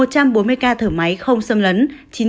một trăm bốn mươi ca thở máy không xâm lấn